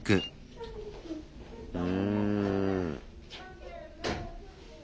うん。